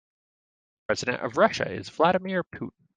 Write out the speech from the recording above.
The president of Russia is Vladimir Putin.